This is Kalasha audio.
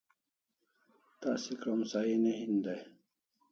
Tasi krom sahi ne hin day